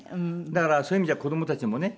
だからそういう意味じゃ子どもたちもね